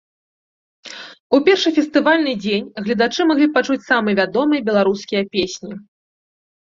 У першы фестывальны дзень гледачы маглі пачуць самыя вядомыя беларускія песні.